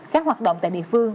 các hoạt động tại địa phương